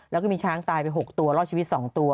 แล้วก็มีช้างตายไป๖ตัวรอดชีวิต๒ตัว